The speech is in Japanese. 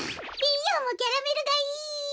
ピーヨンもキャラメルがいい！